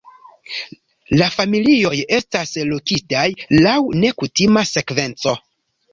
La familioj estas lokitaj laŭ nekutima sekvenco.